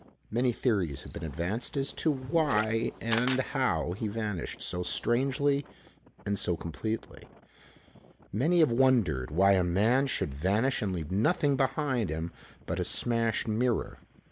Many theories have been advanced as to why and how he vanished so strangely and so completely. Many have wondered why a man should vanish and leave nothing behind him but a smashed mirror.